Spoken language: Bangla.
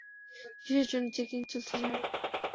কিসের জন্য চেকিং চলছে, স্যার?